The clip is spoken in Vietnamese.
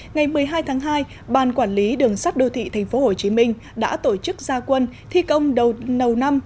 ngày một mươi hai tháng hai ban quản lý đường sắt đô thị tp hcm đã tổ chức gia quân thi công đầu nầu năm